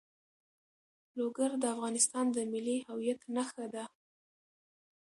لوگر د افغانستان د ملي هویت نښه ده.